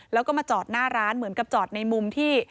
แล้วก็มาจอดหน้าร้านเหมือนกับจอดในมุมที่